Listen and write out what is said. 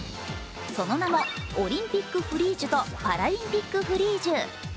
その名もオリンピック・フリュージュとパラリンピック・フリュージュ。